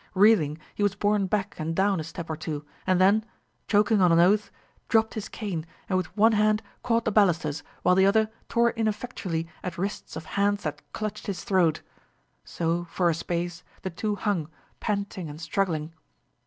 Reeling, he was borne back and down a step or two, and then, choking on an oath, dropped his cane and with one hand caught the balusters, while the other tore ineffectually at wrists of hands that clutched his throat. So, for a space, the two hung, panting and struggling.